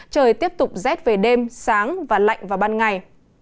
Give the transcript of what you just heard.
trời tiếp tục rét về đêm sáng và lạnh vào ban ngày